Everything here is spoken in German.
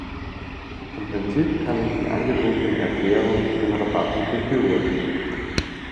Im Prinzip kann ich die angebotene Erklärung zu den Rabatten befürworten.